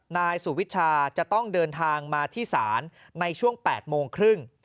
นายสุวิชาจะต้องเดินทางมาที่ศาลในช่วง๘โมงครึ่ง